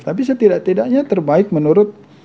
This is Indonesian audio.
tapi setidak tidaknya terbaik menurut